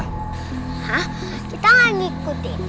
hah kita gak ngikutin